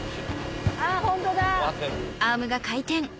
あっホントだ！